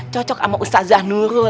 cocok sama ustadz zah nurul